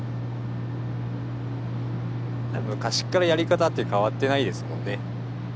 昔っからやり方って変わってないですもんね。